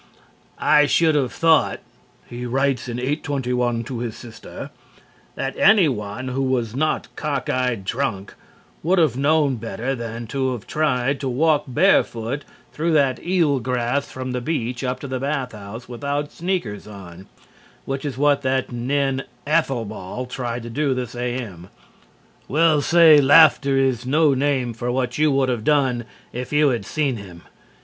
"I should of thought," he writes in 821 to his sister, "that anyone who was not cock ide drunk would have known better than to of tried to walk bear foot through that eel grass from the beech up to the bath house without sneekers on, which is what that ninn Aethelbald tryed to do this AM. Well say laffter is no name for what you would of done if you had seen him.